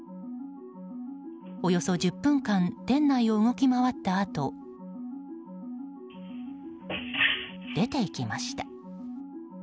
およそ１０分間店内を動き回ったあと出て行きました。